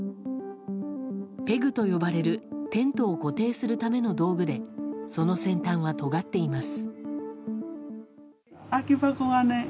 ペグと呼ばれるテントを固定するための道具でその先端は、とがっています。